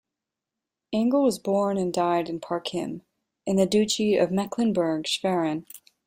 Engel was born and died in Parchim, in the Duchy of Mecklenburg-Schwerin.